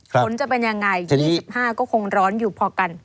ฝนจะเป็นยังไง๒๕ก็คงร้อนอยู่พอกัน